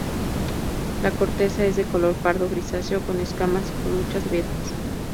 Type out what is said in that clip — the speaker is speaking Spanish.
La corteza es de color pardo grisáceo, con escamas y con muchas grietas.